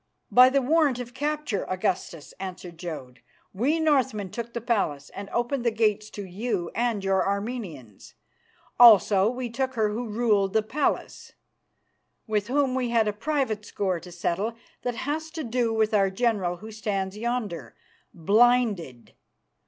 "By the warrant of capture, Augustus," answered Jodd. "We Northmen took the palace and opened the gates to you and your Armenians. Also we took her who ruled in the palace, with whom we had a private score to settle that has to do with our general who stands yonder, blinded.